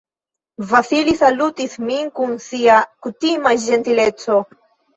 Vasili salutis min kun sia kutima ĝentileco.